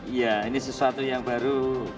iya ini sesuatu yang baru